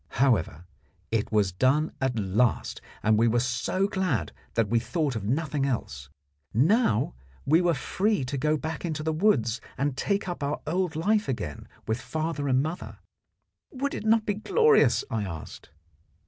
However, it was done at last, and we were so glad that we thought of nothing else. Now we were free to go back into the woods and take up our old life again with father and mother. Would it not be glorious, I asked?